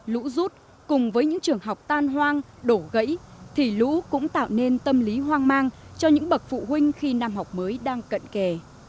lũ rút cùng với những trường học tan hoang đổ gãy thì lũ cũng tạo nên tâm lý hoang mang cho những bậc phụ huynh khi năm học mới đang cận kề